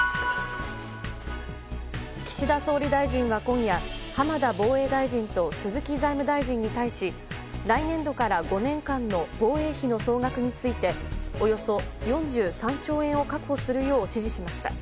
岸田総理大臣は今夜浜田防衛大臣と鈴木財務大臣に対し来年度から５年間の防衛費の総額についておよそ４３兆円を確保するよう指示しました。